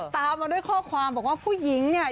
ตามมาด้วยข้อความบอกว่าผู้หญิงเนี่ย